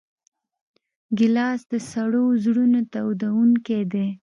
ګیلاس د سړو زړونو تودوونکی دی.